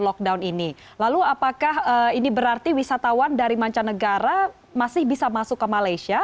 lockdown ini lalu apakah ini berarti wisatawan dari mancanegara masih bisa masuk ke malaysia